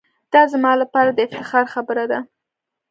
دا زما لپاره دافتخار خبره ده.